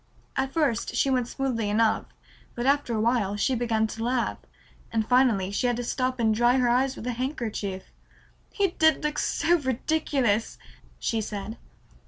At first she went smoothly enough, but after a while she began to laugh, and finally she had to stop and dry her eyes with a handkerchief. "He did look so ridiculous," she said.